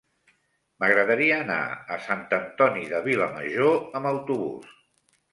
M'agradaria anar a Sant Antoni de Vilamajor amb autobús.